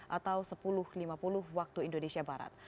atau sepuluh lima puluh waktu indonesia barat